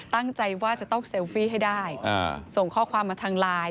ตั้งใจว่าจะต้องเซลฟี่ให้ได้ส่งข้อความมาทางไลน์